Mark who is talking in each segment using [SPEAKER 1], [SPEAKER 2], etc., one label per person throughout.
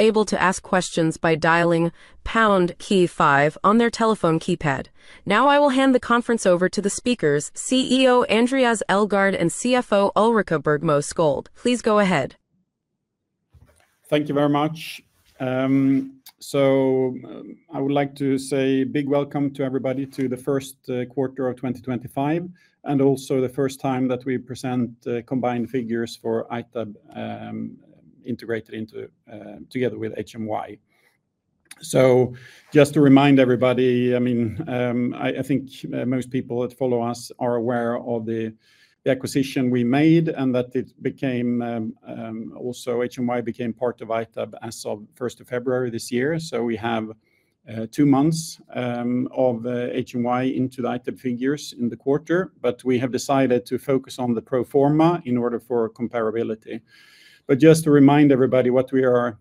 [SPEAKER 1] Able to ask questions by dialing pound key five on their telephone keypad. Now, I will hand the conference over to the speakers: CEO Andréas Elgaard and CFO Ulrika Bergmo Sköld. Please go ahead.
[SPEAKER 2] Thank you very much. I would like to say a big welcome to everybody to the first quarter of 2025, and also the first time that we present combined figures for ITAB, integrated into, together with HMY. Just to remind everybody, I mean, I think most people that follow us are aware of the acquisition we made and that it became, also HMY became part of ITAB as of 1st of February this year. We have two months of HMY into the ITAB figures in the quarter, but we have decided to focus on the pro forma in order for comparability. Just to remind everybody what we are,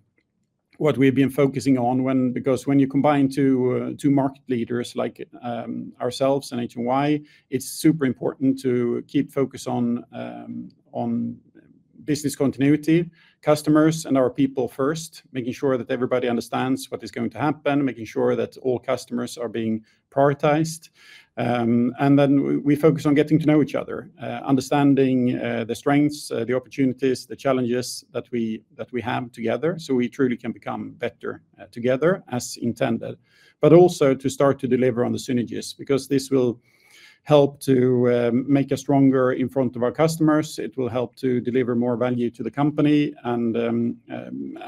[SPEAKER 2] what we've been focusing on, when you combine two market leaders like ourselves and HMY, it's super important to keep focus on business continuity, customers, and our people first, making sure that everybody understands what is going to happen, making sure that all customers are being prioritized. Then we focus on getting to know each other, understanding the strengths, the opportunities, the challenges that we have together, so we truly can become better together as intended, but also to start to deliver on the synergies because this will help to make us stronger in front of our customers. It will help to deliver more value to the company.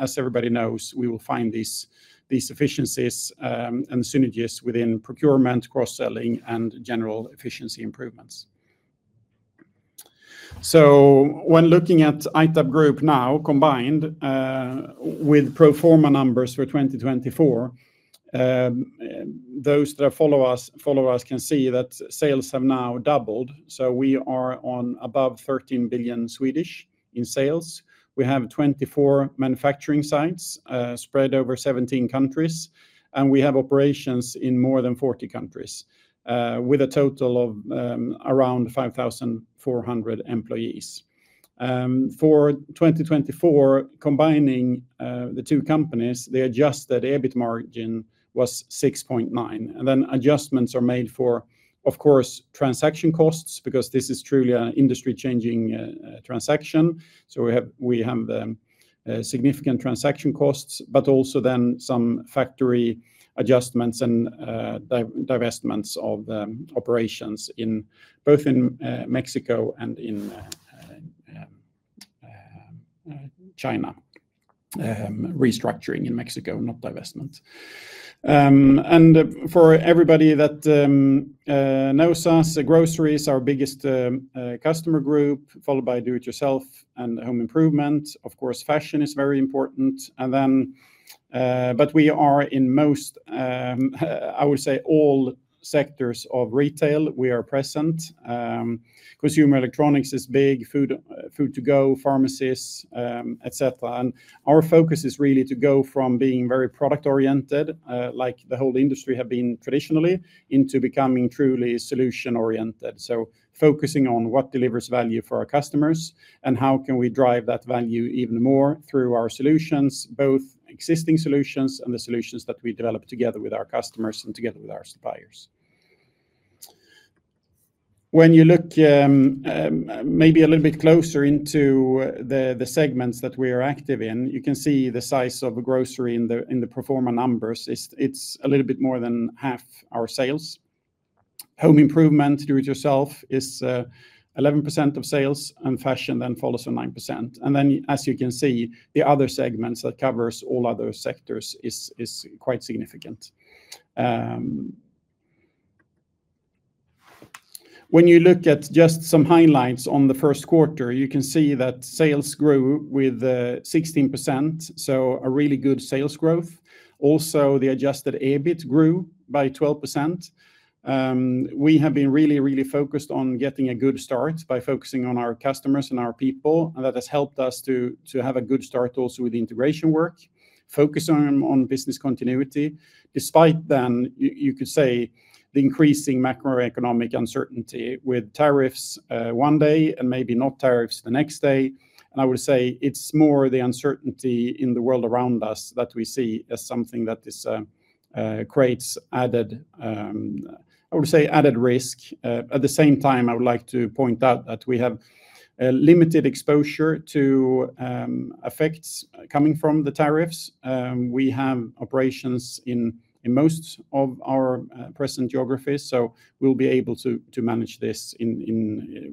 [SPEAKER 2] As everybody knows, we will find these efficiencies and synergies within procurement, cross-selling, and general efficiency improvements. When looking at ITAB Group now, combined, with pro forma numbers for 2024, those that follow us can see that sales have now doubled. We are on above 13 billion in sales. We have 24 manufacturing sites, spread over 17 countries, and we have operations in more than 40 countries, with a total of around 5,400 employees. For 2024, combining the two companies, the adjusted EBIT margin was 6.9%. Adjustments are made for, of course, transaction costs because this is truly an industry-changing transaction. We have significant transaction costs, but also then some factory adjustments and divestments of operations in both Mexico and China, restructuring in Mexico, not divestment. For everybody that knows us, grocery is our biggest customer group, followed by do-it-yourself and home improvement. Of course, fashion is very important. We are in most, I would say all sectors of retail, we are present. Consumer electronics is big, food, food to go, pharmacies, et cetera. Our focus is really to go from being very product-oriented, like the whole industry has been traditionally, into becoming truly solution-oriented. Focusing on what delivers value for our customers and how can we drive that value even more through our solutions, both existing solutions and the solutions that we develop together with our customers and together with our suppliers. When you look, maybe a little bit closer into the segments that we are active in, you can see the size of grocery in the pro forma numbers. It is a little bit more than half our sales. Home improvement, do-it-yourself is 11% of sales, and fashion then follows on 9%. As you can see, the other segments that cover all other sectors is quite significant. When you look at just some highlights on the first quarter, you can see that sales grew with 16%, so a really good sales growth. Also, the adjusted EBIT grew by 12%. We have been really, really focused on getting a good start by focusing on our customers and our people, and that has helped us to have a good start also with the integration work, focusing on business continuity. Despite then, you could say the increasing macroeconomic uncertainty with tariffs one day and maybe not tariffs the next day. I would say it is more the uncertainty in the world around us that we see as something that is, creates added, I would say added risk. At the same time, I would like to point out that we have a limited exposure to effects coming from the tariffs. We have operations in most of our present geographies, so we will be able to manage this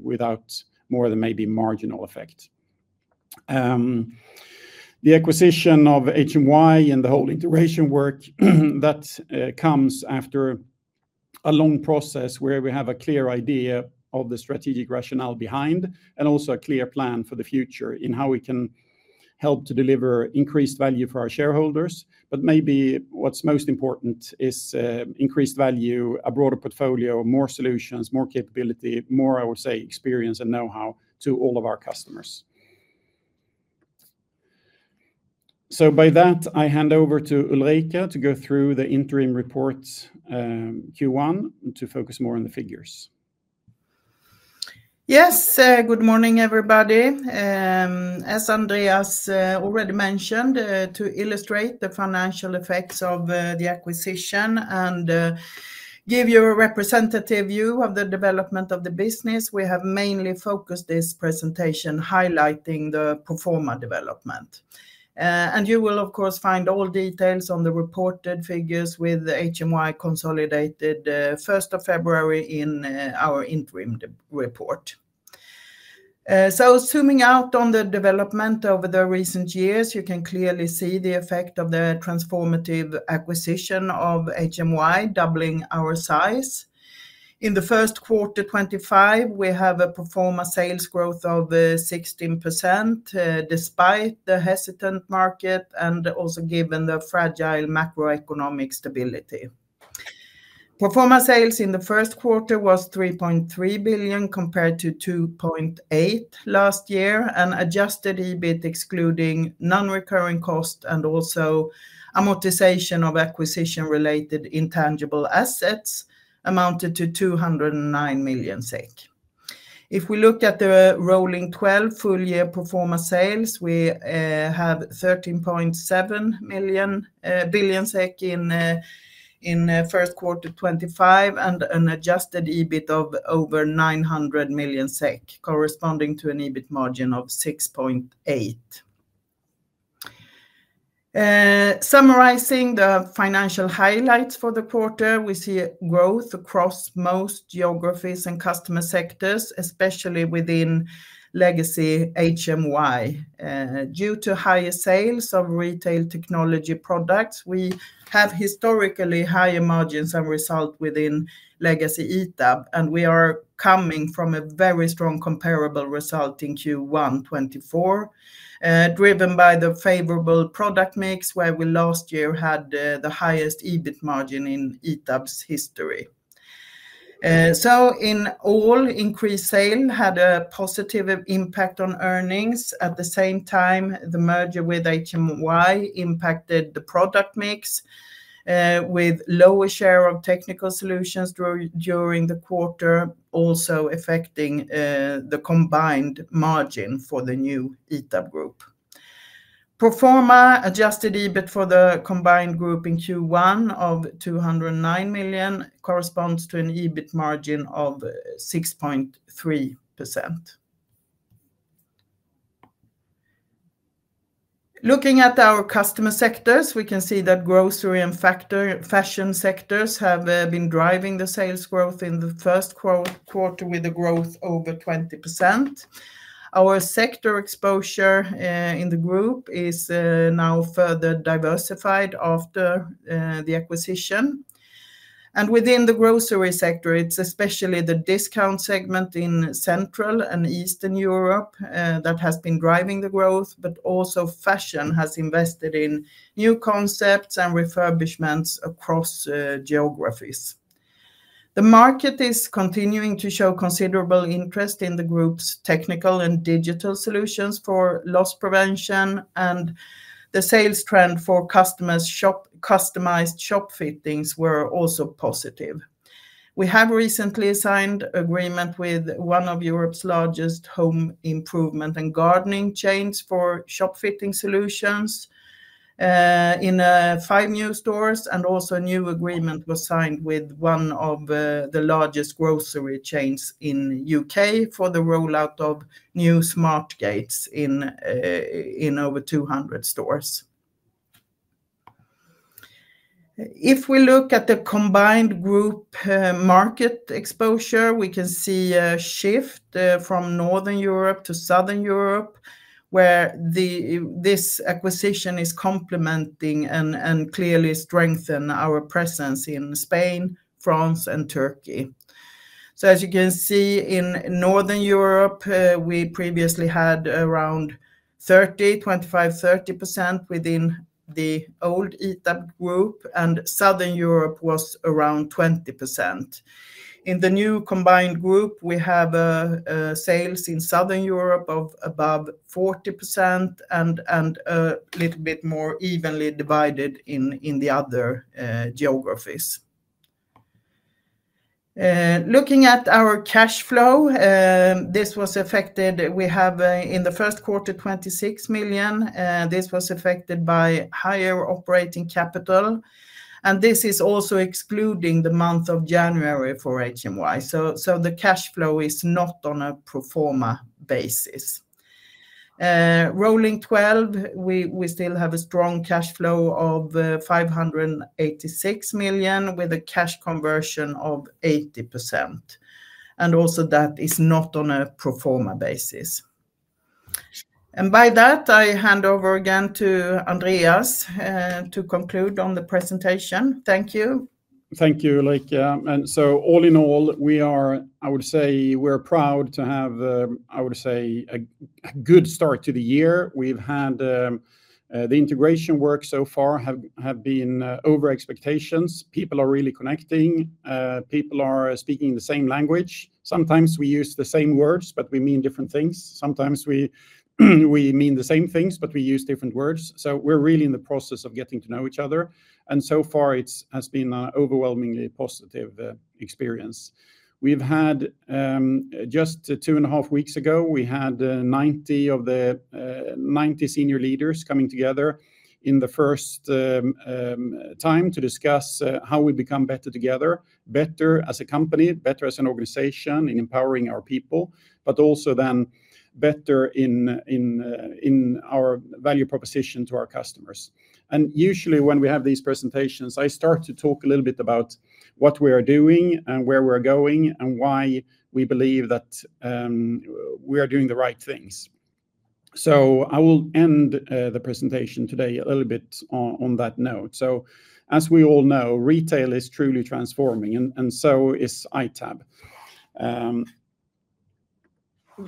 [SPEAKER 2] without more than maybe marginal effect. The acquisition of HMY and the whole integration work that comes after a long process where we have a clear idea of the strategic rationale behind and also a clear plan for the future in how we can help to deliver increased value for our shareholders. What is most important is increased value, a broader portfolio, more solutions, more capability, more, I would say, experience and know-how to all of our customers. By that, I hand over to Ulrika to go through the interim report, Q1, to focus more on the figures.
[SPEAKER 3] Yes. Good morning, everybody. As Andréas already mentioned, to illustrate the financial effects of the acquisition and give you a representative view of the development of the business, we have mainly focused this presentation highlighting the pro forma development. You will, of course, find all details on the reported figures with HMY consolidated, 1st February, in our interim report. Zooming out on the development over the recent years, you can clearly see the effect of the transformative acquisition of HMY, doubling our size. In the first quarter 2025, we have a pro forma sales growth of 16%, despite the hesitant market and also given the fragile macroeconomic stability. Pro forma sales in the first quarter was 3.3 billion compared to 2.8 billion last year, and adjusted EBIT, excluding non-recurring cost and also amortization of acquisition-related intangible assets, amounted to 209 million SEK. If we look at the rolling 12 full-year pro forma sales, we have 13.7 billion SEK in first quarter 2025 and an adjusted EBIT of over 900 million SEK, corresponding to an EBIT margin of 6.8%. Summarizing the financial highlights for the quarter, we see growth across most geographies and customer sectors, especially within legacy HMY. Due to higher sales of retail technology products, we have historically higher margins and result within legacy ITAB, and we are coming from a very strong comparable result in Q1 2024, driven by the favorable product mix, where we last year had the highest EBIT margin in ITAB's history. In all, increased sales had a positive impact on earnings. At the same time, the merger with HMY impacted the product mix, with lower share of technical solutions during the quarter, also affecting the combined margin for the new ITAB Group. Pro forma adjusted EBIT for the combined group in Q1 of 209 million corresponds to an EBIT margin of 6.3%. Looking at our customer sectors, we can see that grocery and fashion sectors have been driving the sales growth in the first quarter with a growth over 20%. Our sector exposure in the group is now further diversified after the acquisition. Within the grocery sector, it is especially the discount segment in Central and Eastern Europe that has been driving the growth, but also fashion has invested in new concepts and refurbishments across geographies. The market is continuing to show considerable interest in the group's technical and digital solutions for loss prevention, and the sales trend for customers' customized shop fittings were also positive. We have recently signed an agreement with one of Europe's largest home improvement and gardening chains for shop fitting solutions in five new stores, and also a new agreement was signed with one of the largest grocery chains in the U.K. for the rollout of new smart gates in over 200 stores. If we look at the combined group market exposure, we can see a shift from Northern Europe to Southern Europe, where this acquisition is complementing and clearly strengthening our presence in Spain, France, and Turkey. As you can see, in Northern Europe, we previously had around 25%-30% within the old ITAB Group, and Southern Europe was around 20%. In the new combined group, we have sales in Southern Europe of above 40% and a little bit more evenly divided in the other geographies. Looking at our cash flow, this was affected. We have, in the first quarter, 26 million. This was affected by higher operating capital, and this is also excluding the month of January for HMY. The cash flow is not on a pro forma basis. Rolling 12, we still have a strong cash flow of 586 million with a cash conversion of 80%. That is not on a pro forma basis. By that, I hand over again to Andréas to conclude on the presentation. Thank you.
[SPEAKER 2] Thank you, Ulrika. All in all, I would say we're proud to have, I would say, a good start to the year. We've had, the integration work so far has been over expectations. People are really connecting. People are speaking the same language. Sometimes we use the same words, but we mean different things. Sometimes we mean the same things, but we use different words. We are really in the process of getting to know each other. So far, it has been an overwhelmingly positive experience. Just two and a half weeks ago, we had 90 of the 90 senior leaders coming together for the first time to discuss how we become better together, better as a company, better as an organization in empowering our people, but also then better in our value proposition to our customers. Usually when we have these presentations, I start to talk a little bit about what we are doing and where we're going and why we believe that we are doing the right things. I will end the presentation today a little bit on that note. As we all know, retail is truly transforming, and so is ITAB.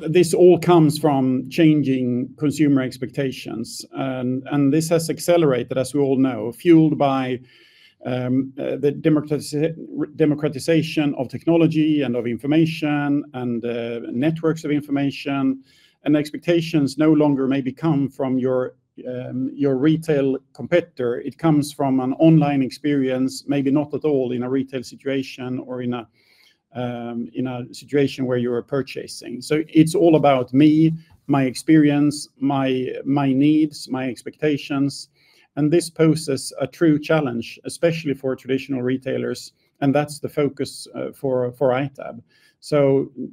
[SPEAKER 2] This all comes from changing consumer expectations, and this has accelerated, as we all know, fueled by the democratization of technology and of information and networks of information. Expectations no longer maybe come from your retail competitor. It comes from an online experience, maybe not at all in a retail situation or in a situation where you are purchasing. It is all about me, my experience, my needs, my expectations. This poses a true challenge, especially for traditional retailers. That is the focus for ITAB.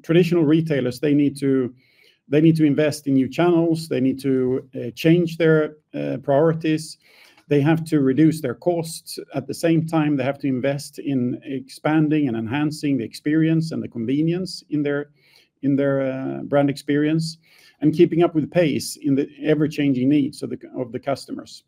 [SPEAKER 2] Traditional retailers need to invest in new channels. They need to change their priorities. They have to reduce their costs. At the same time, they have to invest in expanding and enhancing the experience and the convenience in their brand experience and keeping up with the pace in the ever-changing needs of the customers.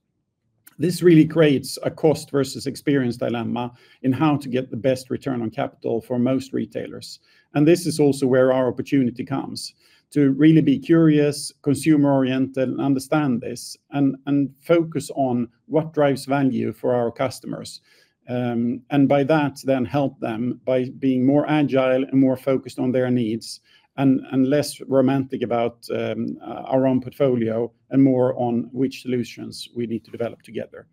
[SPEAKER 2] This really creates a cost versus experience dilemma in how to get the best return on capital for most retailers. This is also where our opportunity comes to really be curious, consumer-oriented, and understand this, and focus on what drives value for our customers. By that, then help them by being more agile and more focused on their needs and less romantic about our own portfolio and more on which solutions we need to develop together.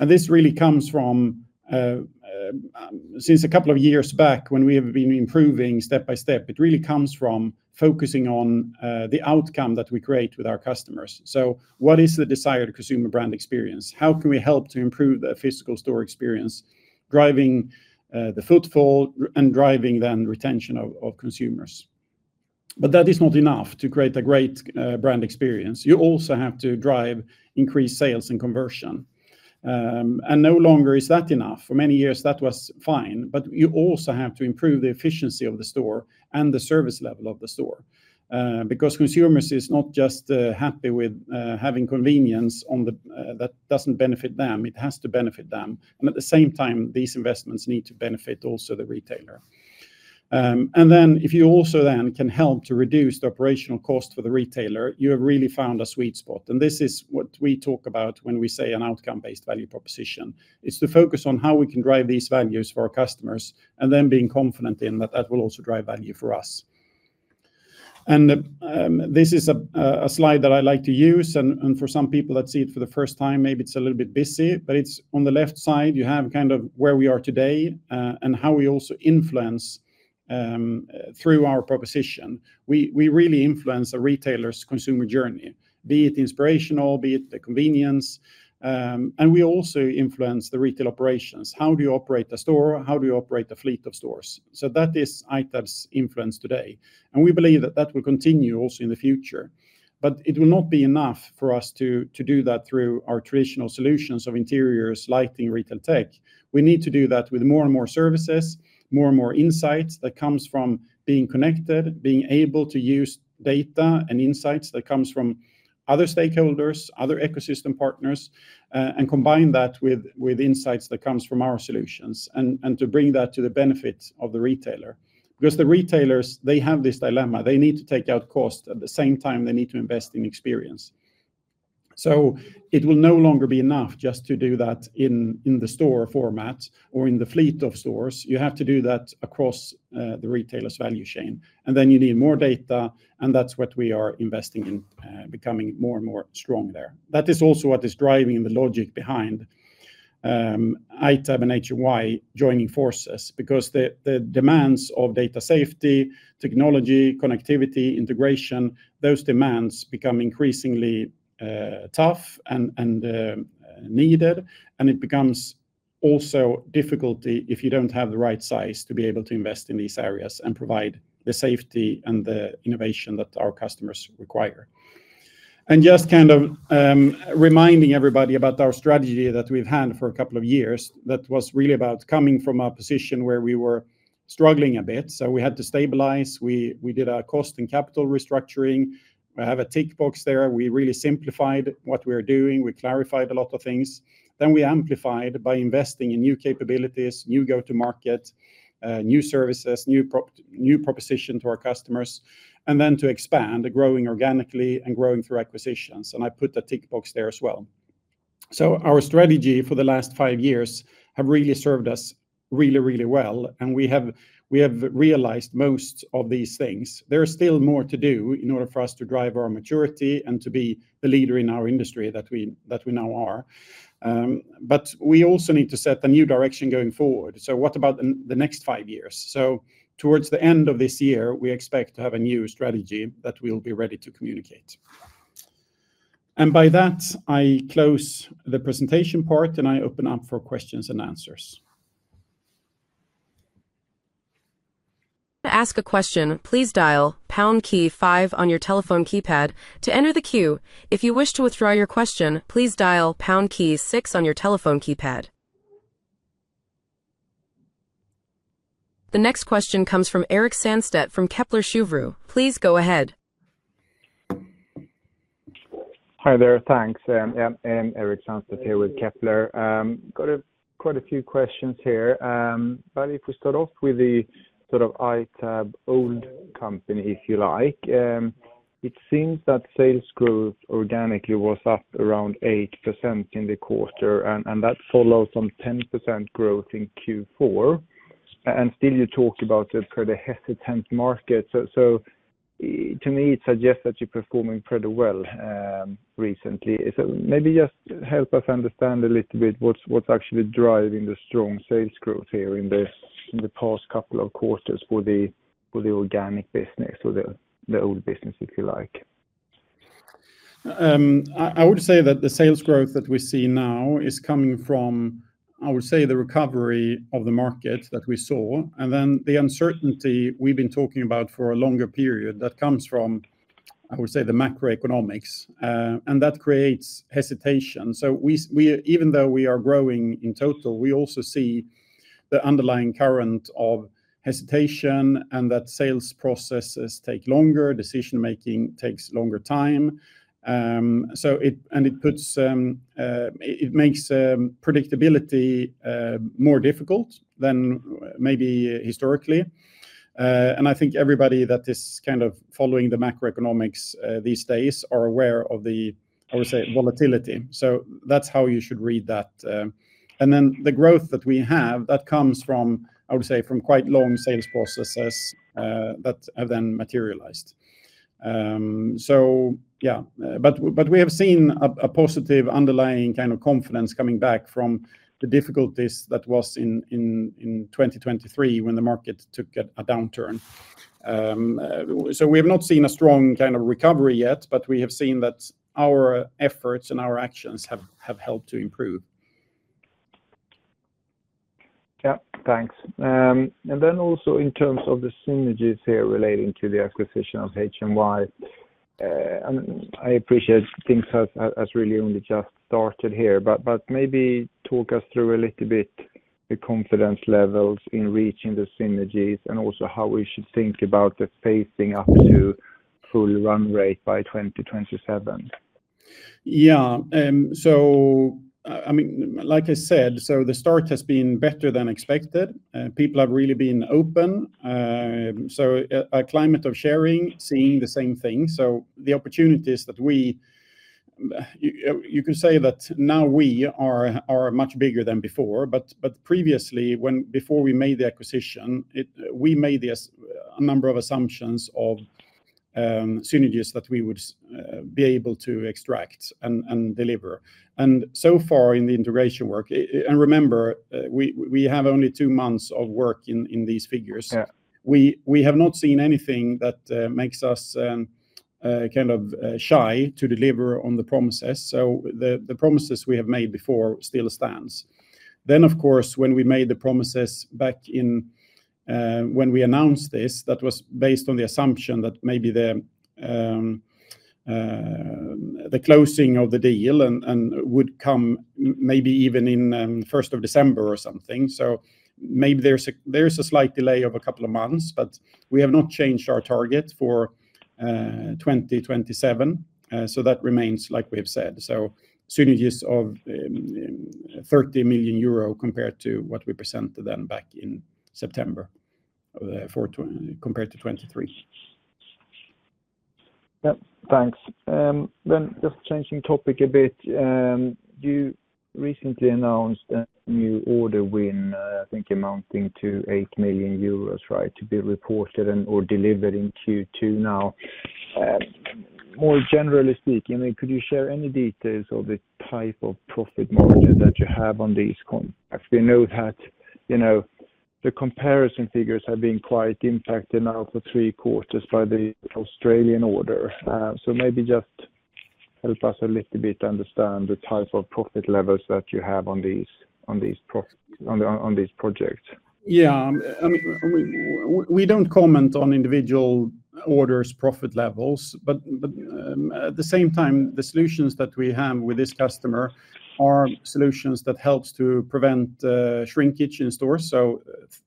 [SPEAKER 2] This really comes from, since a couple of years back when we have been improving step by step, it really comes from focusing on the outcome that we create with our customers. What is the desired consumer brand experience? How can we help to improve the physical store experience, driving the footfall and driving then retention of consumers? That is not enough to create a great brand experience. You also have to drive increased sales and conversion. No longer is that enough. For many years, that was fine, but you also have to improve the efficiency of the store and the service level of the store, because consumers are not just happy with having convenience that does not benefit them. It has to benefit them. At the same time, these investments need to benefit also the retailer. If you also then can help to reduce the operational cost for the retailer, you have really found a sweet spot. This is what we talk about when we say an outcome-based value proposition, to focus on how we can drive these values for our customers and then being confident that will also drive value for us. This is a slide that I like to use. For some people that see it for the first time, maybe it is a little bit busy, but on the left side, you have kind of where we are today and how we also influence through our proposition. We really influence a retailer's consumer journey, be it inspirational, be it the convenience. We also influence the retail operations. How do you operate a store? How do you operate a fleet of stores? That is ITAB's influence today. We believe that that will continue also in the future, but it will not be enough for us to do that through our traditional solutions of interiors, lighting, retail tech. We need to do that with more and more services, more and more insights that come from being connected, being able to use data and insights that come from other stakeholders, other ecosystem partners, and combine that with insights that come from our solutions to bring that to the benefit of the retailer, because the retailers, they have this dilemma. They need to take out cost at the same time they need to invest in experience. It will no longer be enough just to do that in the store format or in the fleet of stores. You have to do that across the retailer's value chain, and then you need more data. That is what we are investing in, becoming more and more strong there. That is also what is driving the logic behind ITAB and HMY joining forces, because the demands of data safety, technology, connectivity, integration, those demands become increasingly tough and needed. It becomes also difficult if you do not have the right size to be able to invest in these areas and provide the safety and the innovation that our customers require. Just kind of reminding everybody about our strategy that we have had for a couple of years that was really about coming from a position where we were struggling a bit. We had to stabilize. We did a cost and capital restructuring. We have a tick box there. We really simplified what we were doing. We clarified a lot of things. We amplified by investing in new capabilities, new go-to-market, new services, new pro, new proposition to our customers, and to expand growing organically and growing through acquisitions. I put a tick box there as well. Our strategy for the last five years has really served us really, really well. We have realized most of these things. There is still more to do in order for us to drive our maturity and to be the leader in our industry that we now are. We also need to set a new direction going forward. What about the next five years? Towards the end of this year, we expect to have a new strategy that we will be ready to communicate. By that, I close the presentation part and I open up for questions and answers.
[SPEAKER 1] To ask a question, please dial pound key five on your telephone keypad to enter the queue. If you wish to withdraw your question, please dial pound key six on your telephone keypad. The next question comes from Erik Sandstedt from Kepler Cheuvreux. Please go ahead.
[SPEAKER 4] Hi there. Thanks. I'm Erik Sandstedt here with Kepler. Got a, quite a few questions here. If we start off with the sort of ITAB old company, if you like, it seems that sales growth organically was up around 8% in the quarter, and that follows some 10% growth in Q4. Still you talk about it for the hesitant market. To me, it suggests that you're performing pretty well, recently. Maybe just help us understand a little bit what's actually driving the strong sales growth here in the past couple of quarters for the organic business, for the old business, if you like.
[SPEAKER 2] I would say that the sales growth that we see now is coming from, I would say, the recovery of the market that we saw, and then the uncertainty we've been talking about for a longer period that comes from, I would say, the macroeconomics, and that creates hesitation. Even though we are growing in total, we also see the underlying current of hesitation and that sales processes take longer, decision making takes longer time. It makes predictability more difficult than maybe historically. I think everybody that is kind of following the macroeconomics these days are aware of the, I would say, volatility. That is how you should read that. The growth that we have comes from, I would say, from quite long sales processes that have then materialized. Yeah, but we have seen a positive underlying kind of confidence coming back from the difficulties that was in 2023 when the market took a downturn. We have not seen a strong kind of recovery yet, but we have seen that our efforts and our actions have helped to improve.
[SPEAKER 4] Yeah, thanks. And then also in terms of the synergies here relating to the acquisition of HMY, I appreciate things have really only just started here, but maybe talk us through a little bit the confidence levels in reaching the synergies and also how we should think about the phasing up to full run rate by 2027.
[SPEAKER 2] Yeah. So, I mean, like I said, the start has been better than expected. People have really been open. A climate of sharing, seeing the same thing. The opportunities that we, you could say that now we are much bigger than before, but previously, before we made the acquisition, we made a number of assumptions of synergies that we would be able to extract and deliver. So far in the integration work, and remember, we have only two months of work in these figures. Yeah, we have not seen anything that makes us kind of shy to deliver on the promises. The promises we have made before still stand. Of course, when we made the promises back in, when we announced this, that was based on the assumption that maybe the closing of the deal would come maybe even in 1st December or something. Maybe there is a slight delay of a couple of months, but we have not changed our target for 2027. That remains like we have said. Synergies of 30 million euro compared to what we presented then back in September, compared to 2023.
[SPEAKER 4] Yep. Thanks. Then just changing topic a bit. You recently announced a new order win, I think amounting to 8 million euros, right, to be reported and, or delivered in Q2 now. More generally speaking, I mean, could you share any details of the type of profit margin that you have on these contracts? We know that, you know, the comparison figures have been quite impacted now for three quarters by the Australian order. Maybe just help us a little bit to understand the type of profit levels that you have on these, on these profits, on these projects.
[SPEAKER 2] Yeah. I mean, we do not comment on individual orders' profit levels, but at the same time, the solutions that we have with this customer are solutions that help to prevent shrinkage in stores.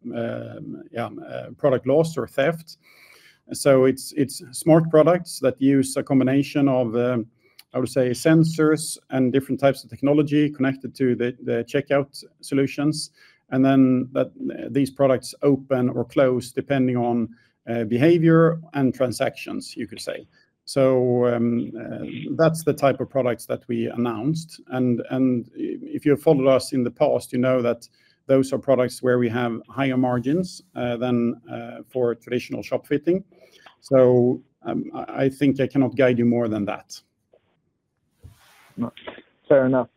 [SPEAKER 2] Yeah, product loss or theft. It is smart products that use a combination of, I would say, sensors and different types of technology connected to the checkout solutions. These products open or close depending on behavior and transactions, you could say. That is the type of products that we announced. If you have followed us in the past, you know that those are products where we have higher margins than for traditional shop fitting. I think I cannot guide you more than that.
[SPEAKER 4] Fair enough.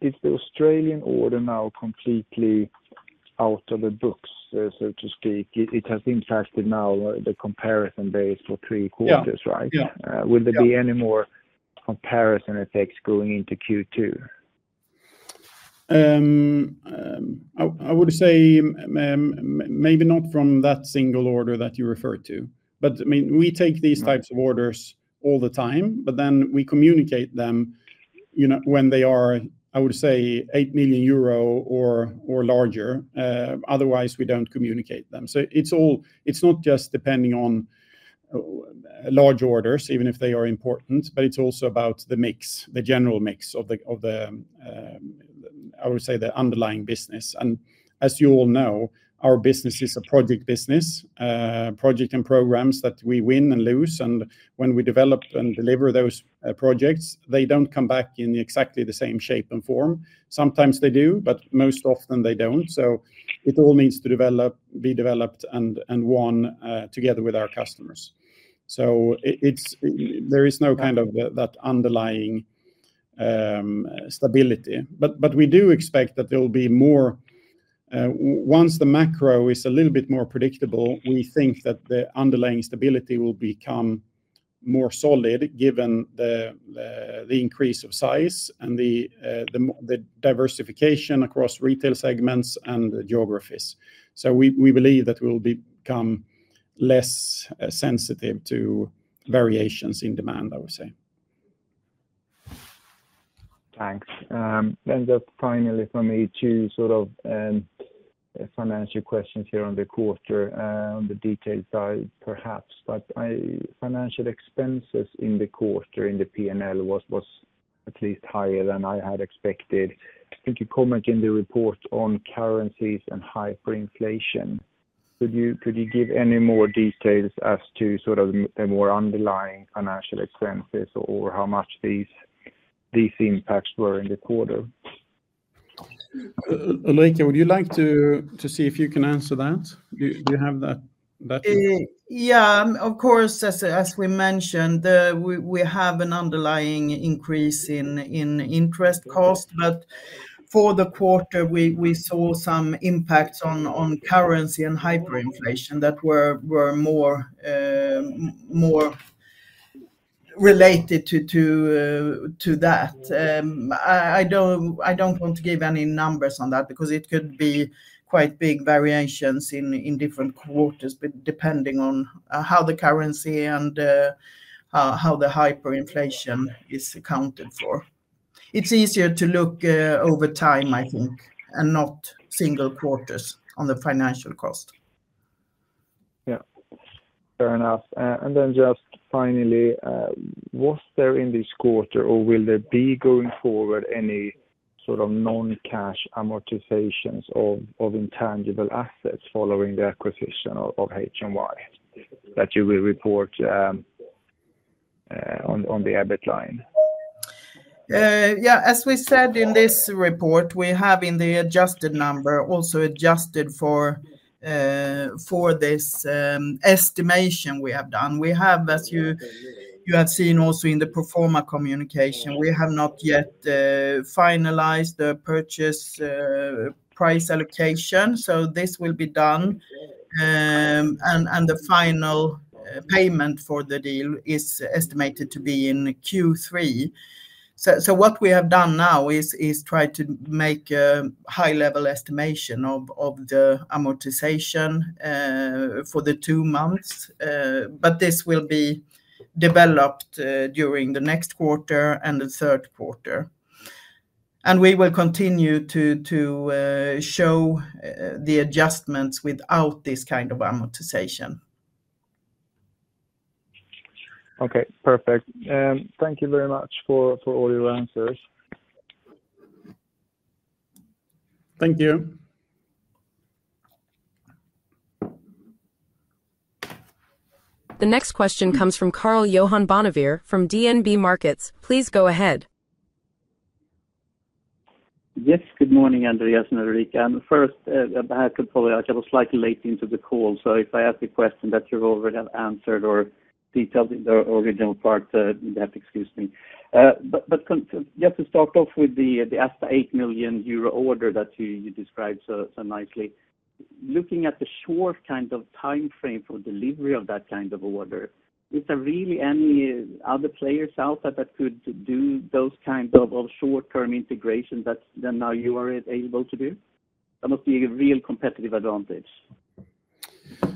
[SPEAKER 4] Is the Australian order now completely out of the books, so to speak? It has impacted now the comparison base for three quarters, right?
[SPEAKER 2] Yeah.
[SPEAKER 4] Will there be any more comparison effects going into Q2?
[SPEAKER 2] I would say, maybe not from that single order that you referred to, but I mean, we take these types of orders all the time, but then we communicate them, you know, when they are, I would say, 8 million euro or, or larger. Otherwise we do not communicate them. So it is all, it is not just depending on large orders, even if they are important, but it is also about the mix, the general mix of the, of the, I would say the underlying business. As you all know, our business is a project business, project and programs that we win and lose. When we develop and deliver those projects, they do not come back in exactly the same shape and form. Sometimes they do, but most often they do not. It all needs to develop, be developed and won, together with our customers. It is, there is no kind of that underlying stability, but we do expect that there will be more once the macro is a little bit more predictable. We think that the underlying stability will become more solid given the increase of size and the diversification across retail segments and geographies. We believe that we will become less sensitive to variations in demand, I would say.
[SPEAKER 4] Thanks. Then just finally for me to sort of, financial questions here on the quarter, on the detailed side perhaps, but I, financial expenses in the quarter in the P&L was, was at least higher than I had expected. I think you comment in the report on currencies and hyperinflation. Could you, could you give any more details as to sort of the more underlying financial expenses or, or how much these, these impacts were in the quarter?
[SPEAKER 2] Ulrika, would you like to see if you can answer that? Do you have that?
[SPEAKER 3] Yeah, of course. As we mentioned, we have an underlying increase in interest costs, but for the quarter, we saw some impacts on currency and hyperinflation that were more related to that. I don't want to give any numbers on that because it could be quite big variations in different quarters, but depending on how the currency and how the hyperinflation is accounted for. It's easier to look over time, I think, and not single quarters on the financial cost.
[SPEAKER 4] Yeah. Fair enough. And then just finally, was there in this quarter or will there be going forward any sort of non-cash amortizations of intangible assets following the acquisition of HMY that you will report on the EBIT line?
[SPEAKER 3] Yeah. As we said in this report, we have in the adjusted number also adjusted for this estimation we have done. We have, as you have seen also in the pro forma communication, we have not yet finalized the purchase price allocation. This will be done, and the final payment for the deal is estimated to be in Q3. What we have done now is try to make a high-level estimation of the amortization for the two months. This will be developed during the next quarter and the third quarter. We will continue to show the adjustments without this kind of amortization.
[SPEAKER 4] Okay. Perfect. Thank you very much for all your answers.
[SPEAKER 2] Thank you.
[SPEAKER 1] The next question comes from Karl-Johan Bonnevier from DNB Markets. Please go ahead.
[SPEAKER 5] Yes. Good morning, Andréas and Ulrika. First, I have to apologize. I was slightly late into the call. If I ask a question that you have already answered or detailed in the original part, you have to excuse me. Just to start off with the Asda 8 million euro order that you described so nicely, looking at the short kind of timeframe for delivery of that kind of order, is there really any other players out there that could do those kinds of short-term integrations that now you are able to do? That must be a real competitive advantage.
[SPEAKER 2] No,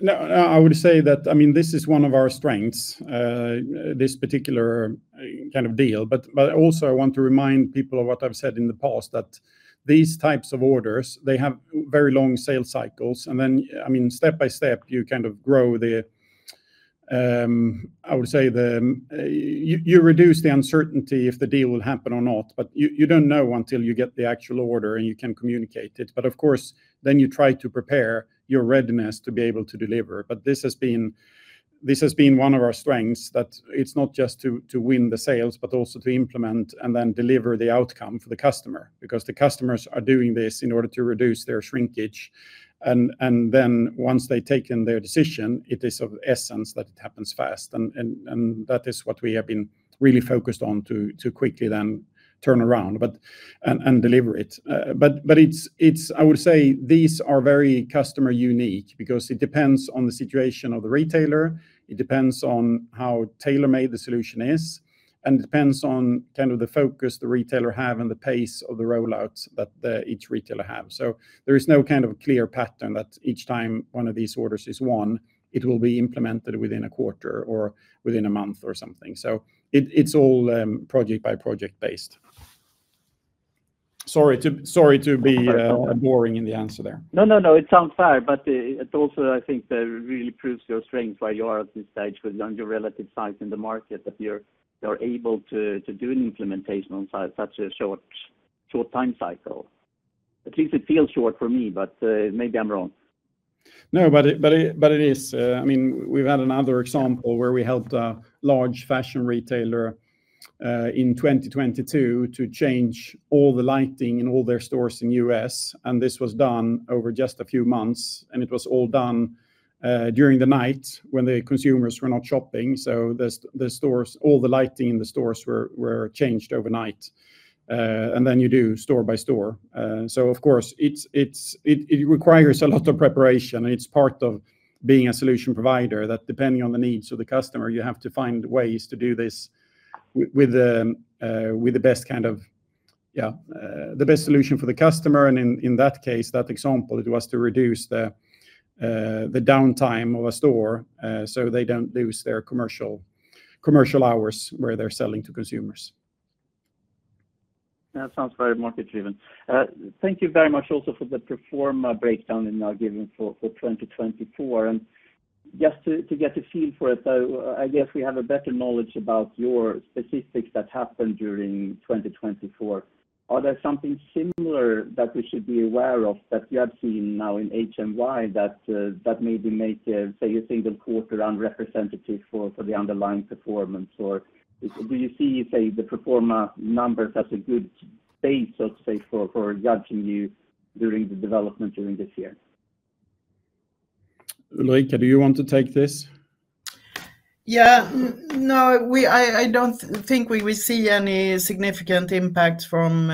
[SPEAKER 2] no, I would say that, I mean, this is one of our strengths, this particular kind of deal. Also, I want to remind people of what I've said in the past, that these types of orders, they have very long sales cycles. I mean, step by step, you kind of grow the, I would say the, you reduce the uncertainty if the deal will happen or not, but you do not know until you get the actual order and you can communicate it. Of course, you try to prepare your readiness to be able to deliver. This has been one of our strengths, that it is not just to win the sales, but also to implement and then deliver the outcome for the customer because the customers are doing this in order to reduce their shrinkage. Once they take in their decision, it is of essence that it happens fast. That is what we have been really focused on, to quickly then turn around and deliver it. I would say these are very customer unique because it depends on the situation of the retailer. It depends on how tailor-made the solution is, and it depends on the focus the retailer has and the pace of the rollouts that each retailer has. There is no clear pattern that each time one of these orders is won, it will be implemented within a quarter or within a month or something. It is all project by project based. Sorry to be boring in the answer there.
[SPEAKER 5] No, no, no. It sounds fair, but it also, I think that really proves your strength while you are at this stage with your relative size in the market that you're able to do an implementation on such a short, short time cycle. At least it feels short for me, but maybe I'm wrong.
[SPEAKER 2] No, but it is. I mean, we've had another example where we helped a large fashion retailer in 2022 to change all the lighting in all their stores in the U.S. This was done over just a few months. It was all done during the night when the consumers were not shopping. The stores, all the lighting in the stores were changed overnight. You do store by store. Of course, it requires a lot of preparation and it's part of being a solution provider that depending on the needs of the customer, you have to find ways to do this with the best kind of, yeah, the best solution for the customer. In that case, that example, it was to reduce the downtime of a store, so they do not lose their commercial hours where they are selling to consumers.
[SPEAKER 5] That sounds very market-driven. Thank you very much also for the pro forma breakdown and now given for 2024. Just to get a feel for it, though, I guess we have a better knowledge about your specifics that happened during 2024. Are there something similar that we should be aware of that you have seen now in HMY that maybe make, say, a single quarter unrepresentative for the underlying performance? Or do you see, say, the pro forma numbers as a good base, let's say, for judging you during the development during this year?
[SPEAKER 2] Ulrika, do you want to take this?
[SPEAKER 3] Yeah. No, we, I don't think we will see any significant impact from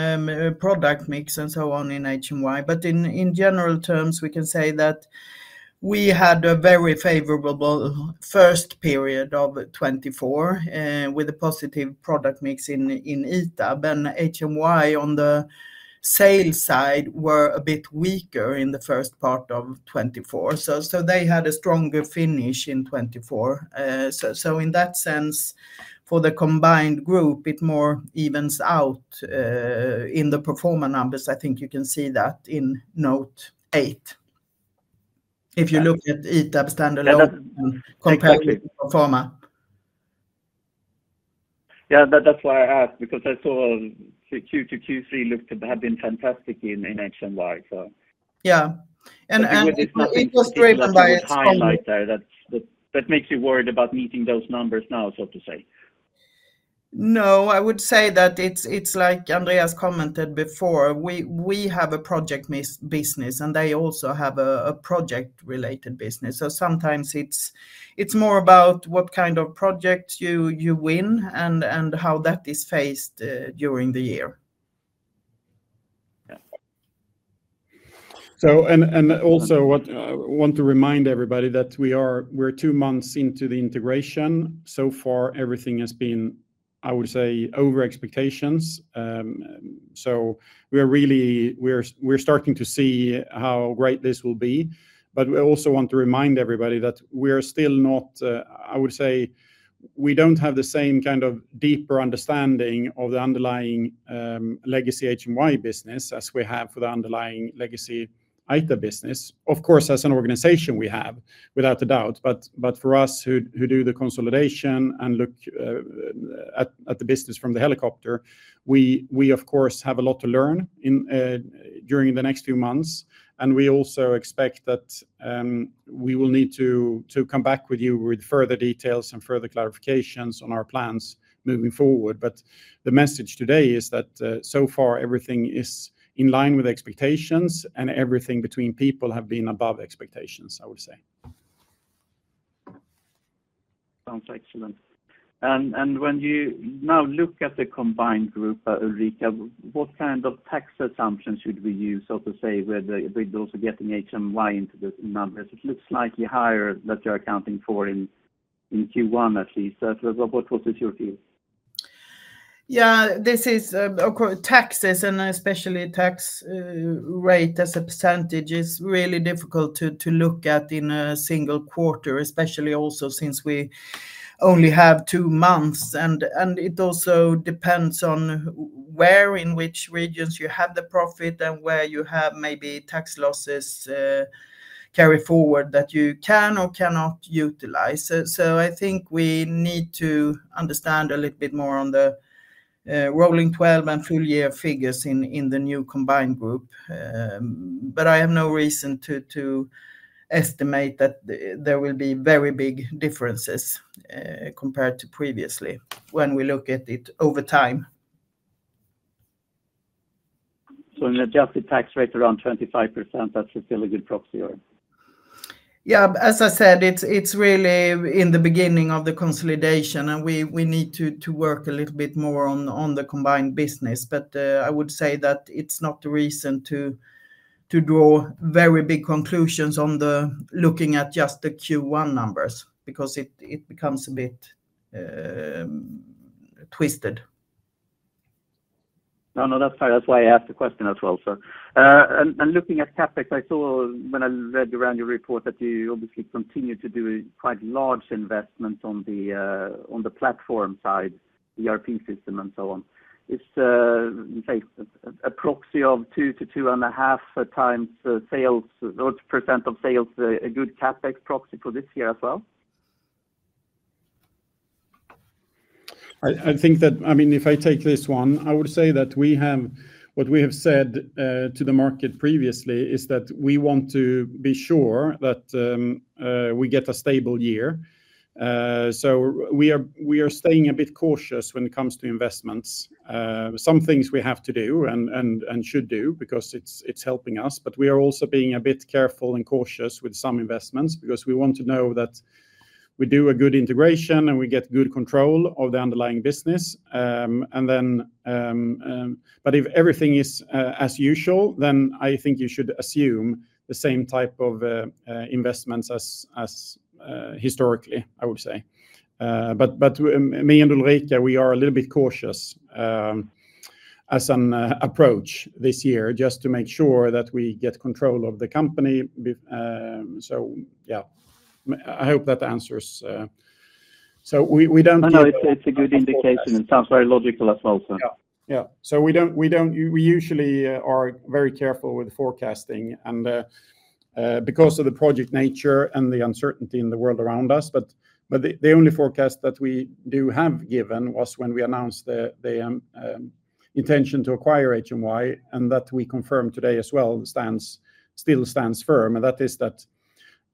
[SPEAKER 3] product mix and so on in HMY. In general terms, we can say that we had a very favorable first period of 2024, with a positive product mix in ITAB. HMY on the sales side were a bit weaker in the first part of 2024. They had a stronger finish in 2024. In that sense, for the combined group, it more evens out in the pro forma numbers. I think you can see that in note eight if you look at ITAB standalone compared to pro forma.
[SPEAKER 5] Yeah. That's why I asked because I saw Q2, Q3 looked to have been fantastic in HMY.
[SPEAKER 3] Yeah, it was driven by a timeline there.
[SPEAKER 5] That makes you worried about meeting those numbers now, so to say?
[SPEAKER 3] No, I would say that it's like Andréas commented before. We have a project business and they also have a project-related business. Sometimes it's more about what kind of projects you win and how that is faced during the year.
[SPEAKER 2] Yeah. Also, what I want to remind everybody is that we are two months into the integration. So far everything has been, I would say, over expectations. We are really starting to see how great this will be. We also want to remind everybody that we are still not, I would say, we do not have the same kind of deeper understanding of the underlying legacy HMY business as we have for the underlying legacy ITAB business. Of course, as an organization, we have without a doubt. For us who do the consolidation and look at the business from the helicopter, we of course have a lot to learn during the next few months. We also expect that we will need to come back with you with further details and further clarifications on our plans moving forward. The message today is that so far everything is in line with expectations and everything between people have been above expectations, I would say.
[SPEAKER 5] Sounds excellent. And when you now look at the combined group, Ulrika, what kind of tax assumptions should we use, so to say, with also getting HMY into the numbers? It looks slightly higher that you are accounting for in Q1 at least. What was your view?
[SPEAKER 3] Yeah, this is, of course, taxes and especially tax rate as a percentage is really difficult to look at in a single quarter, especially also since we only have two months. It also depends on where, in which regions you have the profit and where you have maybe tax losses carry forward that you can or cannot utilize. I think we need to understand a little bit more on the rolling 12 and full year figures in the new combined group. I have no reason to estimate that there will be very big differences compared to previously when we look at it over time.
[SPEAKER 5] In the adjusted tax rate around 25%, that's still a good proxy?
[SPEAKER 3] Yeah. As I said, it's really in the beginning of the consolidation and we need to work a little bit more on the combined business. I would say that it's not a reason to draw very big conclusions on looking at just the Q1 numbers because it becomes a bit twisted.
[SPEAKER 5] No, no, that's fair. That's why I asked the question as well. And looking at CapEx, I saw when I read around your report that you obviously continue to do quite large investments on the platform side, the ERP system and so on. Is, say, a proxy of 2%-2.5% of sales a good CapEx proxy for this year as well?
[SPEAKER 2] I think that, I mean, if I take this one, I would say that we have what we have said to the market previously is that we want to be sure that we get a stable year. We are staying a bit cautious when it comes to investments. Some things we have to do and should do because it is helping us. We are also being a bit careful and cautious with some investments because we want to know that we do a good integration and we get good control of the underlying business. If everything is as usual, then I think you should assume the same type of investments as historically, I would say. But me and Ulrika, we are a little bit cautious, as an approach this year just to make sure that we get control of the company. Yeah, I hope that answers, so we, we do not.
[SPEAKER 5] No, no, it's a good indication and sounds very logical as well.
[SPEAKER 2] Yeah. We usually are very careful with forecasting, because of the project nature and the uncertainty in the world around us. The only forecast that we do have given was when we announced the intention to acquire HMY and that we confirmed today as well still stands firm. That is that,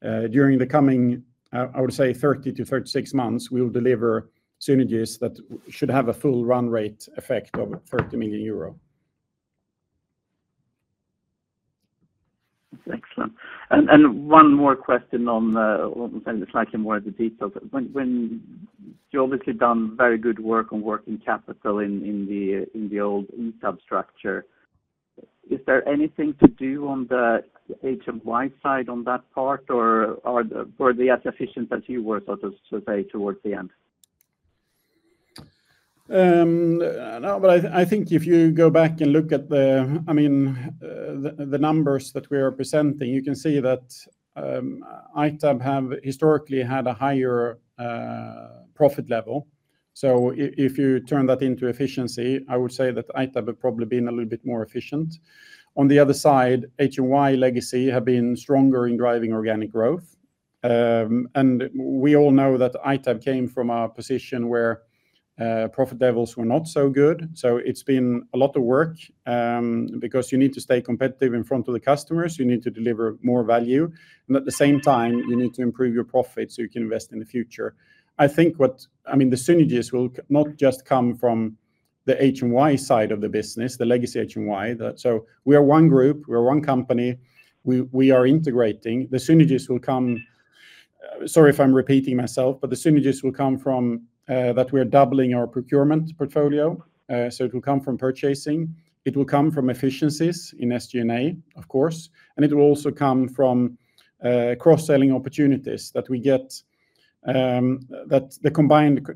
[SPEAKER 2] during the coming, I would say 30-36 months, we will deliver synergies that should have a full run rate effect of 30 million euro.
[SPEAKER 5] Excellent. And one more question on, slightly more of the details. When you obviously done very good work on working capital in the old ITAB structure, is there anything to do on the HMY side on that part or were they as efficient as you were, so to say, towards the end?
[SPEAKER 2] No, but I think if you go back and look at the, I mean, the numbers that we are presenting, you can see that ITAB have historically had a higher profit level. If you turn that into efficiency, I would say that ITAB have probably been a little bit more efficient. On the other side, HMY legacy have been stronger in driving organic growth. We all know that ITAB came from a position where profit levels were not so good. It has been a lot of work, because you need to stay competitive in front of the customers. You need to deliver more value. At the same time, you need to improve your profit so you can invest in the future. I think what I mean, the synergies will not just come from the HMY side of the business, the legacy HMY. We are one group, we are one company. We are integrating. The synergies will come, sorry if I'm repeating myself, but the synergies will come from that we are doubling our procurement portfolio. It will come from purchasing. It will come from efficiencies in SG&A, of course. It will also come from cross-selling opportunities that we get, that the combined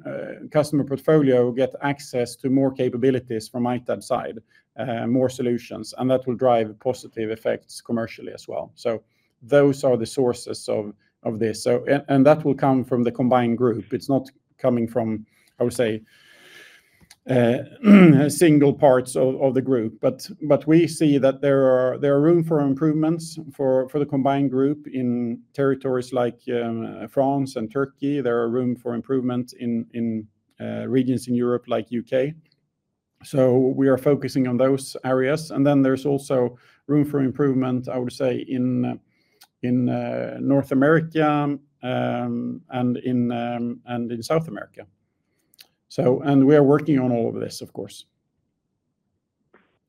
[SPEAKER 2] customer portfolio get access to more capabilities from ITAB side, more solutions. That will drive positive effects commercially as well. Those are the sources of this. That will come from the combined group. It's not coming from, I would say, single parts of the group. We see that there is room for improvements for the combined group in territories like France and Turkey. There is room for improvement in regions in Europe like the U.K. We are focusing on those areas. There is also room for improvement, I would say, in North America and in South America. We are working on all of this, of course,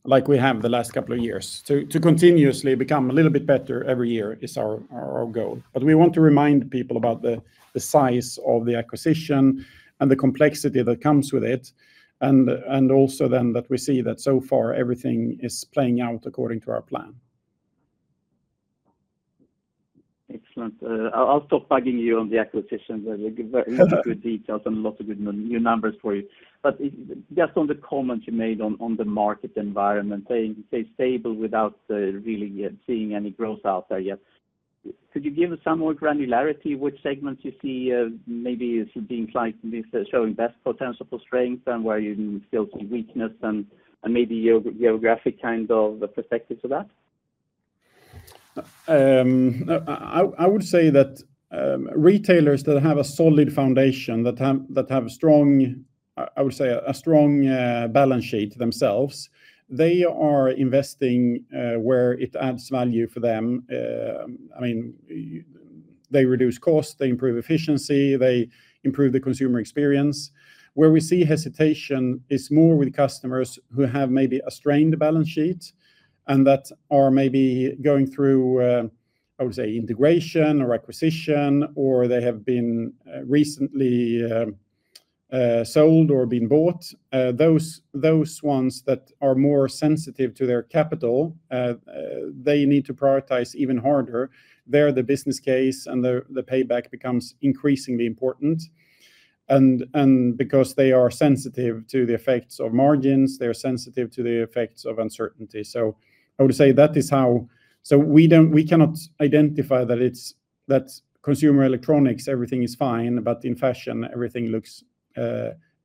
[SPEAKER 2] like we have the last couple of years to continuously become a little bit better every year, which is our goal. We want to remind people about the size of the acquisition and the complexity that comes with it. We also see that so far everything is playing out according to our plan.
[SPEAKER 5] Excellent. I'll stop bugging you on the acquisitions. Very good details and lots of good new numbers for you. Just on the comments you made on the market environment, saying, say stable without really seeing any growth out there yet. Could you give us some more granularity which segments you see, maybe it's being slightly showing best potential for strength and where you still see weakness and maybe geographic kind of perspectives of that?
[SPEAKER 2] I would say that retailers that have a solid foundation, that have a strong, I would say a strong balance sheet themselves, they are investing where it adds value for them. I mean, they reduce costs, they improve efficiency, they improve the consumer experience. Where we see hesitation is more with customers who have maybe a strained balance sheet and that are maybe going through, I would say, integration or acquisition, or they have been recently sold or been bought. Those ones that are more sensitive to their capital, they need to prioritize even harder. There the business case and the payback becomes increasingly important. Because they are sensitive to the effects of margins, they are sensitive to the effects of uncertainty. I would say that is how, we cannot identify that it's that consumer electronics, everything is fine, but in fashion, everything looks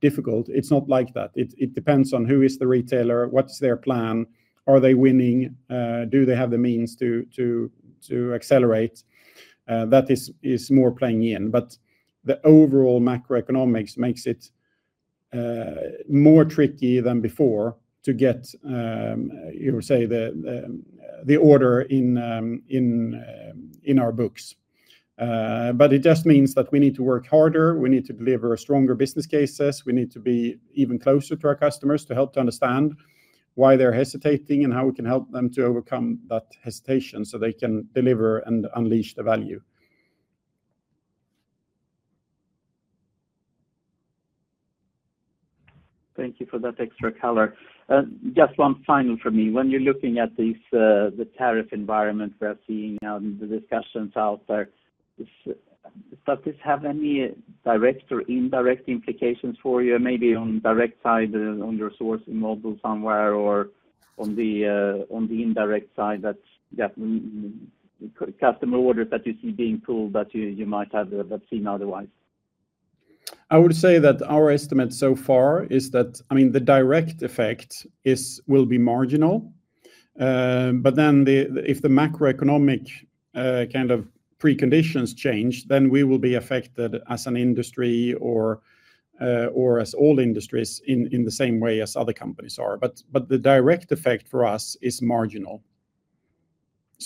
[SPEAKER 2] difficult. It's not like that. It depends on who is the retailer, what's their plan, are they winning, do they have the means to accelerate? That is more playing in. The overall macroeconomics makes it more tricky than before to get the order in our books. It just means that we need to work harder. We need to deliver stronger business cases. We need to be even closer to our customers to help to understand why they're hesitating and how we can help them to overcome that hesitation so they can deliver and unleash the value.
[SPEAKER 5] Thank you for that extra color. Just one final for me. When you're looking at these, the tariff environment we're seeing now in the discussions out there, does this have any direct or indirect implications for you? Maybe on the direct side on your sourcing model somewhere or on the indirect side that customer orders that you see being pulled that you might have not seen otherwise?
[SPEAKER 2] I would say that our estimate so far is that, I mean, the direct effect is, will be marginal. If the macroeconomic, kind of preconditions change, then we will be affected as an industry or as all industries in the same way as other companies are. The direct effect for us is marginal.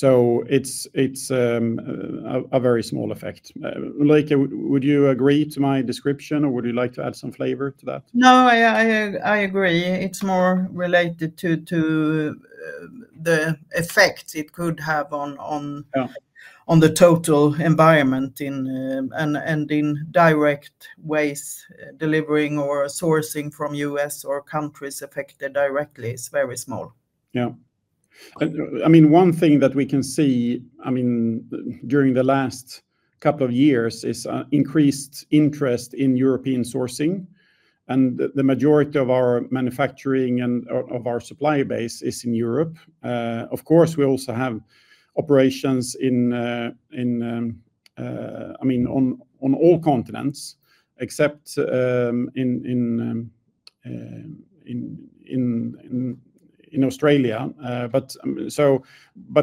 [SPEAKER 2] It is a very small effect. Ulrika, would you agree to my description or would you like to add some flavor to that?
[SPEAKER 3] No, I agree. It's more related to the effect it could have on the total environment in, and in direct ways delivering or sourcing from U.S. or countries affected directly is very small.
[SPEAKER 2] Yeah. I mean, one thing that we can see, I mean, during the last couple of years is increased interest in European sourcing. The majority of our manufacturing and of our supply base is in Europe. Of course, we also have operations on all continents except in Australia.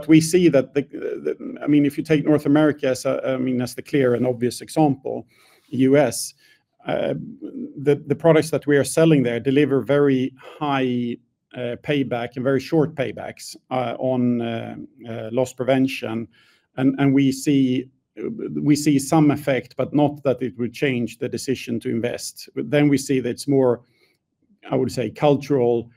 [SPEAKER 2] We see that, I mean, if you take North America as a clear and obvious example, U.S., the products that we are selling there deliver very high payback and very short paybacks on loss prevention. We see some effect, but not that it would change the decision to invest. We see that it is more, I would say, cultural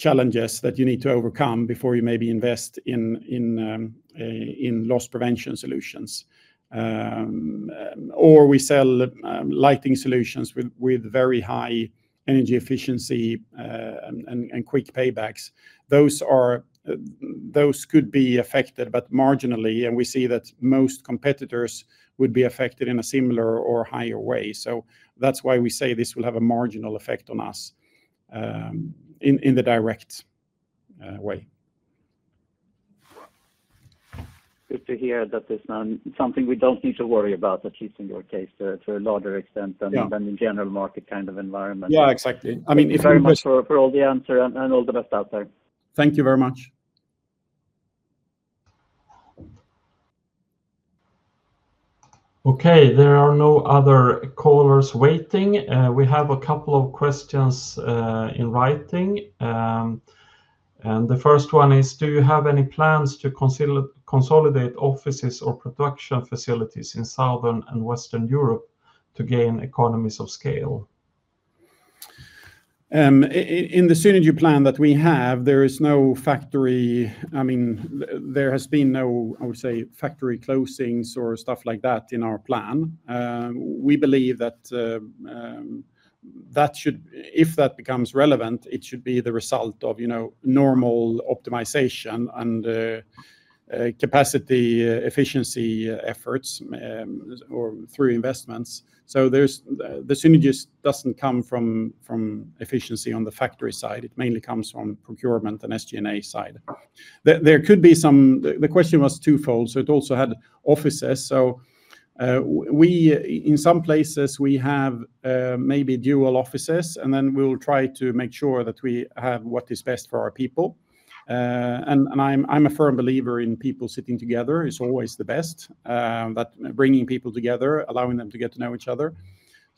[SPEAKER 2] challenges that you need to overcome before you maybe invest in loss prevention solutions. We sell lighting solutions with very high energy efficiency and quick paybacks. Those could be affected, but marginally. We see that most competitors would be affected in a similar or higher way. That is why we say this will have a marginal effect on us in the direct way.
[SPEAKER 5] Good to hear that there's not something we don't need to worry about, at least in your case, to a larger extent than in general market kind of environment.
[SPEAKER 2] Yeah, exactly. I mean.
[SPEAKER 5] Thank you very much for all the answer, and all the best out there.
[SPEAKER 2] Thank you very much. Okay. There are no other callers waiting. We have a couple of questions in writing. The first one is, do you have any plans to consolidate offices or production facilities in Southern and Western Europe to gain economies of scale? In the synergy plan that we have, there is no factory. I mean, there has been no, I would say, factory closings or stuff like that in our plan. We believe that should, if that becomes relevant, it should be the result of, you know, normal optimization and capacity efficiency efforts, or through investments. There is, the synergy does not come from efficiency on the factory side. It mainly comes from procurement and SG&A side. There could be some, the question was twofold. It also had offices. We, in some places, have maybe dual offices and then we will try to make sure that we have what is best for our people. I am a firm believer in people sitting together is always the best, that bringing people together, allowing them to get to know each other.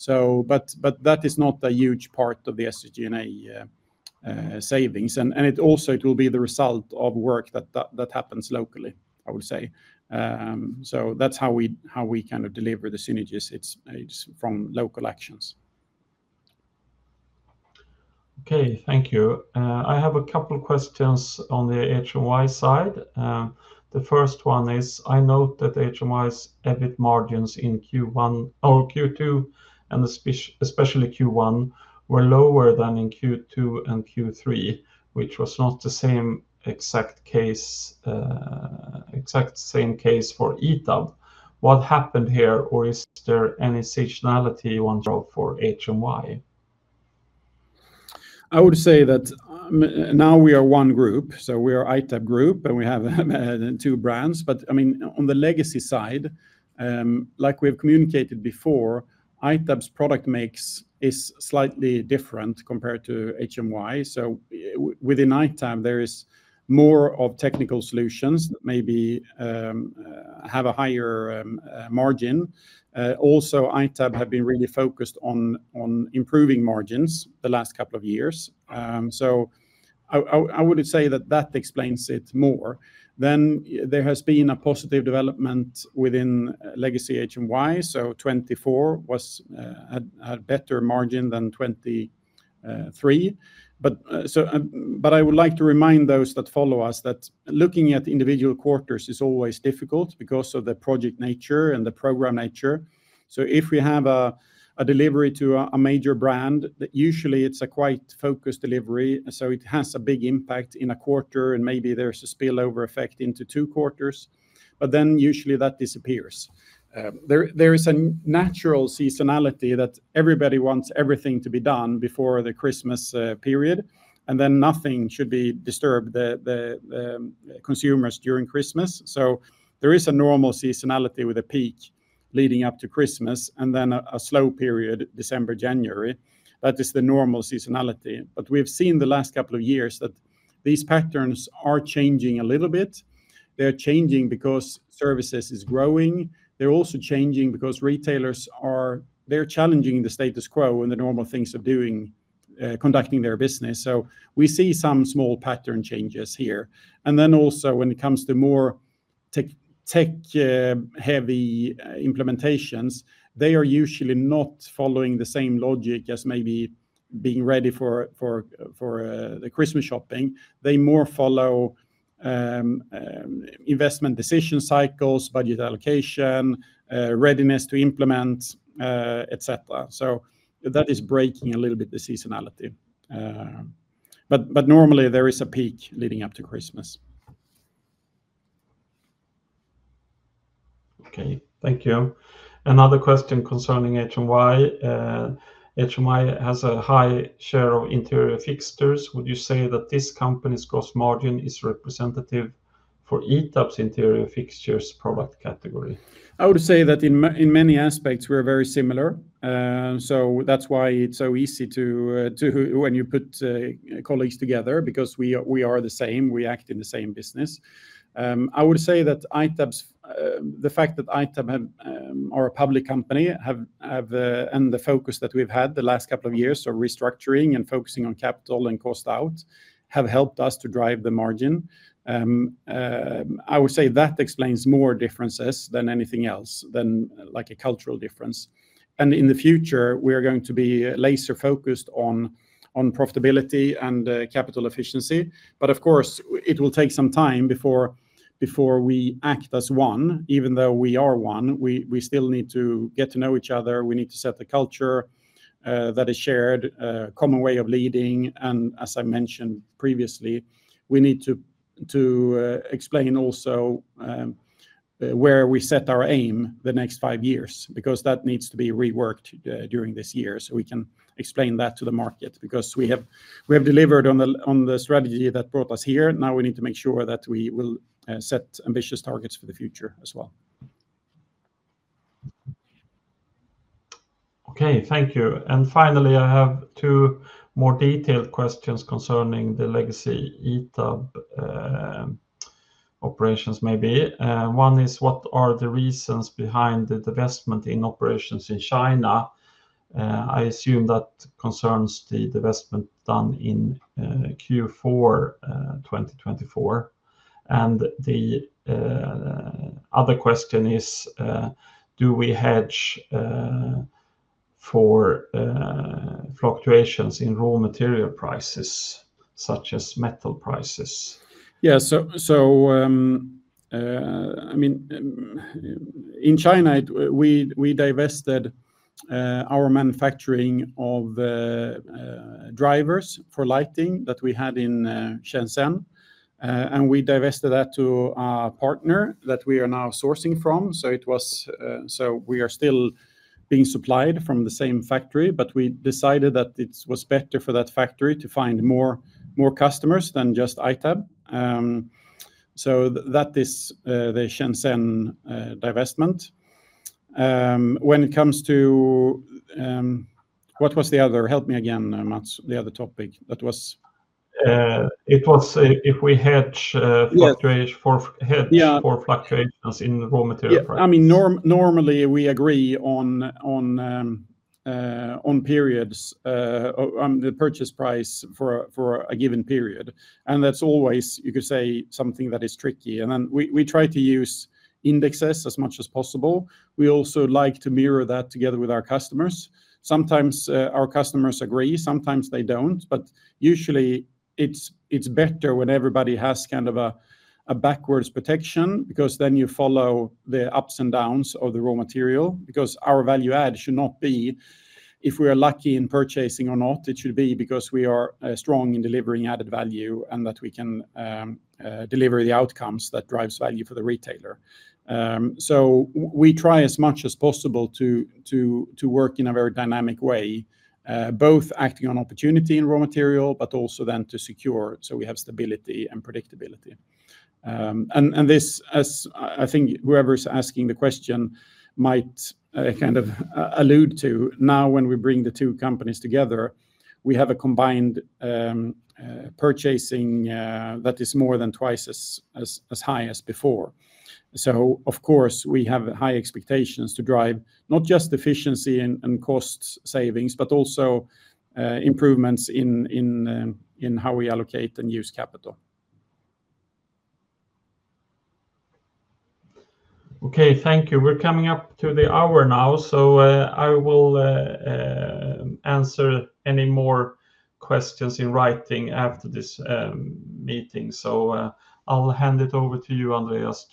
[SPEAKER 2] That is not a huge part of the SG&A savings. It also will be the result of work that happens locally, I would say. That is how we kind of deliver the synergies. It is from local actions. Okay. Thank you. I have a couple of questions on the HMY side. The first one is, I note that HMY's EBIT margins in Q1, oh, Q2, and especially Q1 were lower than in Q2 and Q3, which was not the exact same case for ITAB. What happened here or is there any seasonality one-of for HMY? I would say that now we are one group. So we are ITAB Group and we have two brands. I mean, on the legacy side, like we have communicated before, ITAB's product mix is slightly different compared to HMY. Within ITAB, there is more of technical solutions that maybe have a higher margin. Also, ITAB have been really focused on improving margins the last couple of years. I would say that that explains it more. There has been a positive development within legacy HMY. 2024 had better margin than 2023. I would like to remind those that follow us that looking at individual quarters is always difficult because of the project nature and the program nature. If we have a delivery to a major brand, that usually is a quite focused delivery. It has a big impact in a quarter and maybe there's a spillover effect into two quarters. There is a natural seasonality that everybody wants everything to be done before the Christmas period. Nothing should be disturbed, the consumers during Christmas. There is a normal seasonality with a peak leading up to Christmas and then a slow period, December, January. That is the normal seasonality. We've seen the last couple of years that these patterns are changing a little bit. They're changing because services is growing. They're also changing because retailers are challenging the status quo and the normal things of conducting their business. We see some small pattern changes here. When it comes to more tech, tech heavy implementations, they are usually not following the same logic as maybe being ready for the Christmas shopping. They more follow investment decision cycles, budget allocation, readiness to implement, et cetera. That is breaking a little bit the seasonality, but normally there is a peak leading up to Christmas. Okay. Thank you. Another question concerning HMY. HMY has a high share of interior fixtures. Would you say that this company's gross margin is representative for ITAB's interior fixtures product category? I would say that in many aspects we're very similar. That's why it's so easy to, when you put colleagues together because we are the same, we act in the same business. I would say that ITAB's, the fact that ITAB are a public company have, and the focus that we've had the last couple of years of restructuring and focusing on capital and cost out have helped us to drive the margin. I would say that explains more differences than anything else than like a cultural difference. In the future, we are going to be laser focused on profitability and capital efficiency. Of course, it will take some time before we act as one, even though we are one, we still need to get to know each other. We need to set the culture, that is shared, common way of leading. As I mentioned previously, we need to explain also, where we set our aim the next five years because that needs to be reworked during this year. We can explain that to the market because we have delivered on the strategy that brought us here. Now we need to make sure that we will set ambitious targets for the future as well. Okay. Thank you. Finally, I have two more detailed questions concerning the legacy ITAB operations maybe. One is, what are the reasons behind the divestment in operations in China? I assume that concerns the divestment done in Q4 2024. The other question is, do we hedge for fluctuations in raw material prices such as metal prices? Yeah. I mean, in China, we divested our manufacturing of drivers for lighting that we had in Shenzhen. We divested that to a partner that we are now sourcing from. We are still being supplied from the same factory, but we decided that it was better for that factory to find more customers than just ITAB. That is the Shenzhen divestment. When it comes to, what was the other, help me again, Mats, the other topic that was? It was if we hedge for fluctuations in raw material prices. Yeah. I mean, normally we agree on periods, on the purchase price for a given period. That is always, you could say, something that is tricky. We try to use indexes as much as possible. We also like to mirror that together with our customers. Sometimes our customers agree, sometimes they do not, but usually it is better when everybody has kind of a backwards protection because then you follow the ups and downs of the raw material. Our value add should not be if we are lucky in purchasing or not. It should be because we are strong in delivering added value and that we can deliver the outcomes that drive value for the retailer. We try as much as possible to work in a very dynamic way, both acting on opportunity in raw material, but also then to secure so we have stability and predictability. This, as I think whoever is asking the question might kind of allude to, now when we bring the two companies together, we have a combined purchasing that is more than twice as high as before. Of course, we have high expectations to drive not just efficiency and cost savings, but also improvements in how we allocate and use capital. Okay. Thank you. We are coming up to the hour now. I will answer any more questions in writing after this meeting. I will hand it over to you, Andréas,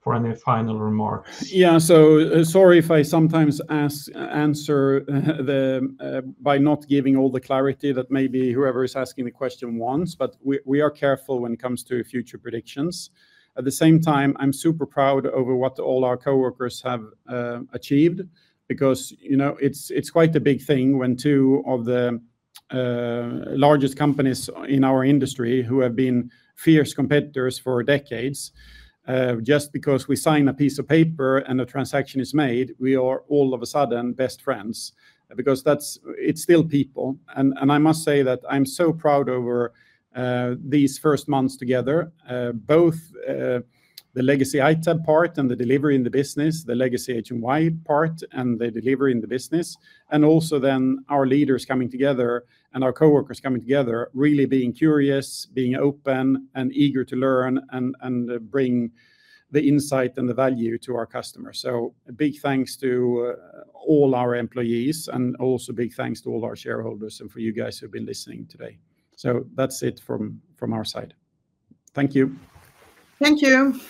[SPEAKER 2] for any final remarks. Yeah. Sorry if I sometimes answer by not giving all the clarity that maybe whoever is asking the question wants, but we are careful when it comes to future predictions. At the same time, I'm super proud over what all our coworkers have achieved because, you know, it's quite a big thing when two of the largest companies in our industry who have been fierce competitors for decades, just because we sign a piece of paper and a transaction is made, we are all of a sudden best friends because that's, it's still people. I must say that I'm so proud over these first months together, both the legacy ITAB part and the delivery in the business, the legacy HMY part and the delivery in the business, and also then our leaders coming together and our coworkers coming together, really being curious, being open and eager to learn and bring the insight and the value to our customers. A big thanks to all our employees and also big thanks to all our shareholders and for you guys who've been listening today. That's it from our side. Thank you.
[SPEAKER 1] Thank you.